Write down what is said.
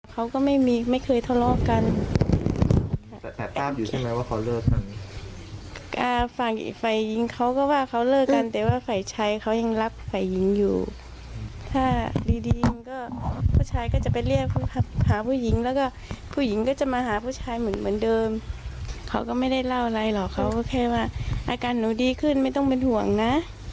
เขาก็ไม่ได้เล่าอะไรหรอกเขาก็แค่ว่าอาการหนูดีขึ้นไม่ต้องเป็นห่วงนะ